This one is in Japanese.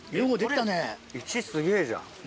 １すげえじゃん。